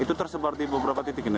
itu tersebar di beberapa titik ini